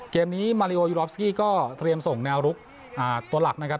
เกมนี้มาริโอยูรอฟสกี้ก็เตรียมส่งแนวลุกตัวหลักนะครับ